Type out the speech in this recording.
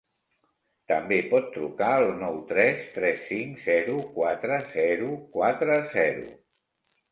També pot trucar al nou tres tres cinc zero quatre zero quatre zero.